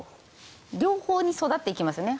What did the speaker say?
両方に育っていきますよね。